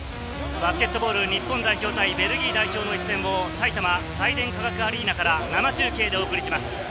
バスケットボール日本代表対ベルギー代表の一戦を埼玉サイデン化学アリーナから生中継でお送りします。